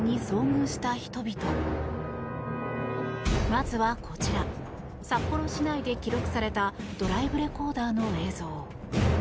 まずはこちら札幌市内で記録されたドライブレコーダーの映像。